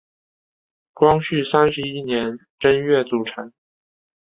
光绪三十一年正月组成。